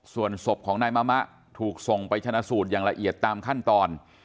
ส่วนศพของนายมะมะถูกส่งไปชนะสูตรอย่างละเอียดตามขั้นตอน